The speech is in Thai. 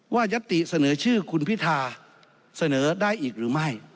ยัตติเสนอชื่อคุณพิธาเสนอได้อีกหรือไม่